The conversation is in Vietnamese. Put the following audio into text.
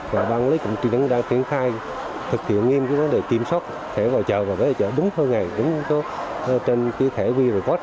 và bán lý cũng đang triển khai thực hiện nghiêm cứu đó để kiểm soát thể vào chợ và về chợ đúng hơn ngày đúng trên cái thể wereport